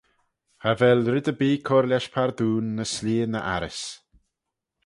Cha vel red erbee cur lesh pardoon ny s'leaie na arrys.